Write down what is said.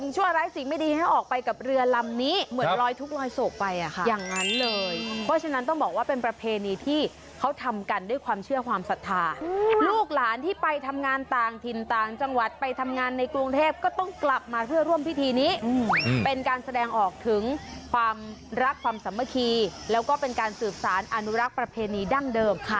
ร้ายสิ่งไม่ดีให้ออกไปกับเรือลำนี้เหมือนลอยทุกข์ลอยโศกไปอ่ะค่ะอย่างนั้นเลยเพราะฉะนั้นต้องบอกว่าเป็นประเพณีที่เขาทำกันด้วยความเชื่อความศรัทธาลูกหลานที่ไปทำงานต่างถิ่นต่างจังหวัดไปทำงานในกรุงเทพก็ต้องกลับมาเพื่อร่วมพิธีนี้เป็นการแสดงออกถึงความรักความสามัคคีแล้วก็เป็นการสืบสารอนุรักษ์ประเพณีดั้งเดิมค่ะ